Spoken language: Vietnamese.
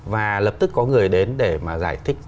và lập tức có người đến để mà giải thích